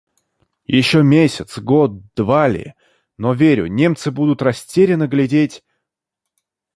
Еще месяц, год, два ли, но верю: немцы будут растерянно глядеть